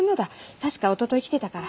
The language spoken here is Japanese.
確かおととい来てたから。